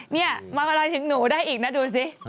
นี่มองอะไรถึงหนูได้อีกนะดูสิ